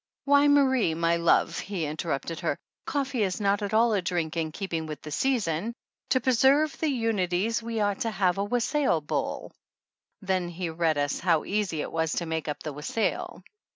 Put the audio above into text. "Why, Marie, my love," he interrupted her, "coffee is not at all a drink in keeping with the season. To preserve the unities we ought to 113 THE ANNALS OF ANN have a wassail bowl." Then he read us how easy it was to make up the wassail.